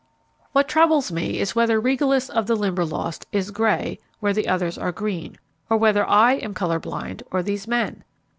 What troubles me is whether Regalis of the Limberlost is grey, where others are green; or whether I am colour blind or these men.